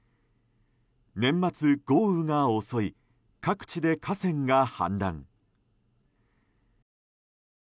年末、豪雨が襲い各地で河川が氾濫。